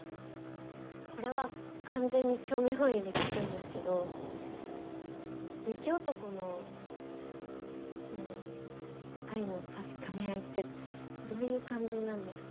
これは完全に興味本位で聞くんですけど雪男のその愛の確かめ合いってどういう感じなんですか？